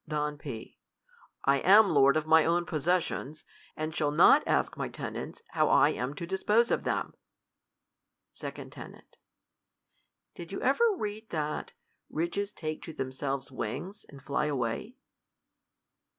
Don P. I am lord of my own possessions ; and shall not ask my tenants how I am to dispose of them. 2d, Ten. Did you ever read, that " Riches take to tjhemselves wings, and ily away